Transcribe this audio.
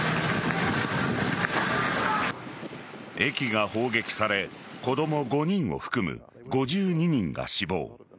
駅が砲撃され子供５人を含む５２人が死亡。